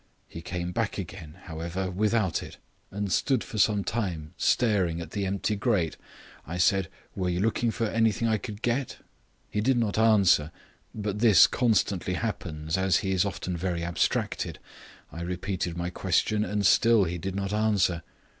He came back again, however, without it, and stood for some time staring at the empty grate. I said, 'Were you looking for anything I could get?' He did not answer, but this constantly happens, as he is often very abstracted. I repeated my question, and still he did not answer.